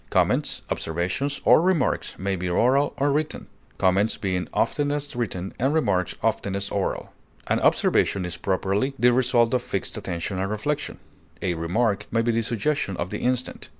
Comments, observations, or remarks may be oral or written, comments being oftenest written, and remarks oftenest oral. An observation is properly the result of fixed attention and reflection; a remark may be the suggestion of the instant.